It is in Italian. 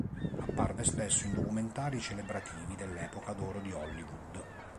Apparve spesso in documentari celebrativi dell'epoca d'oro di Hollywood.